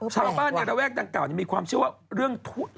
ชาวบ้านในระแวกดังกล่านี้มีความเชื่อว่าเรื่อง